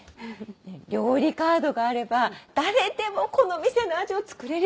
料理カードがあれば誰でもこの店の味を作れるようになるんですって！